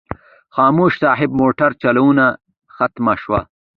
خاموش صاحب موټر چلونه ختمه شوه.